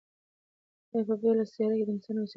ایا په بله سیاره کې انسانان اوسېدای شي؟